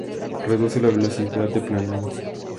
Reduce la velocidad de planeo.